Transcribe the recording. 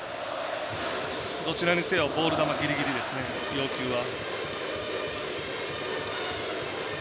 どちらにせよボール球ギリギリですね、要求は。